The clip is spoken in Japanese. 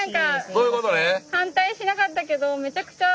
そういうことね。